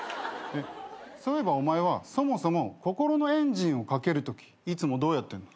そういえばお前はそもそも心のエンジンをかけるときいつもどうやってんの？